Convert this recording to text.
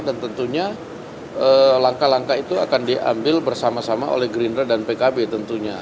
dan tentunya langkah langkah itu akan diambil bersama sama oleh green rail dan pkb tentunya